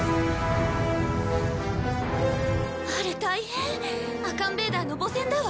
あれ大変アカンベーダーの母船だわ。